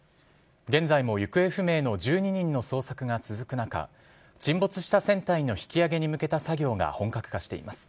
現在も行方不明の１２人の捜索が続く中、沈没した船体の引き揚げに向けた作業が本格化しています。